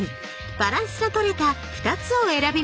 バランスの取れた２つを選びました。